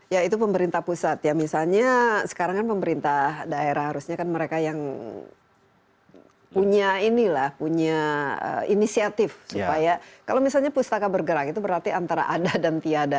ya itu pemerintah pusat ya misalnya sekarang kan pemerintah daerah harusnya kan mereka yang punya inilah punya inisiatif supaya kalau misalnya pustaka bergerak itu berarti antara ada dan tiada